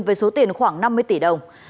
với số tiền khoảng năm mươi tỷ đồng